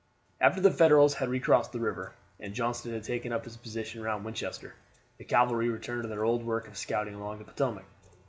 After the Federals had recrossed the river, and Johnston had taken up his position round Winchester, the cavalry returned to their old work of scouting along the Potomac.